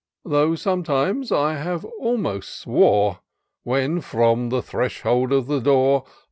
Though sometimes I have almost swore. When, from the threshold of the door.